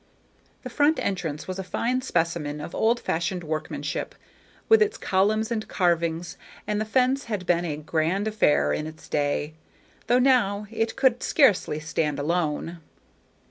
The front entrance was a fine specimen of old fashioned workmanship, with its columns and carvings, and the fence had been a grand affair in its day, though now it could scarcely stand alone.